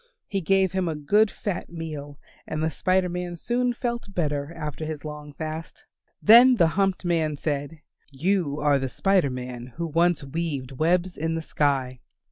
He gave him a good fat meal and the Spider Man soon felt better after his long fast. Then the humped man said, "You are the Spider Man who once weaved webs in the sky.